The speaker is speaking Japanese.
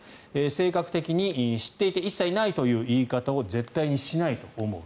性格的に、知っていて一切ないという言い方を絶対にしないと思う。